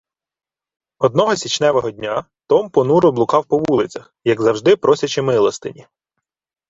Одного січневого дня Том понуро блукав по вулицях, як завжди просячи милостині.